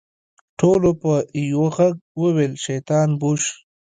ټولو په يوه ږغ وويل شيطان بوش.